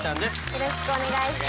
よろしくお願いします。